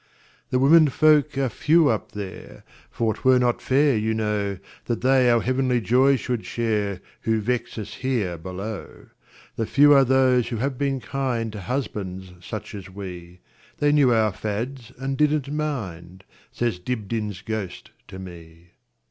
"The women folk are few up there; For 't were not fair, you know, That they our heavenly joy should shareWho vex us here below. The few are those who have been kindTo husbands such as we; They knew our fads, and did n't mind,"Says Dibdin's ghost to me.